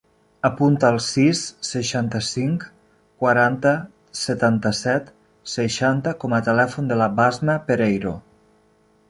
Apunta el sis, seixanta-cinc, quaranta, setanta-set, seixanta com a telèfon de la Basma Pereiro.